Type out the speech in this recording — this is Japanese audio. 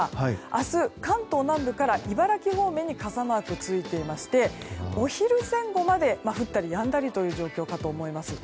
明日、関東南部から茨城方面に傘マークがついていてお昼前後まで降ったりやんだりという状況かと思います。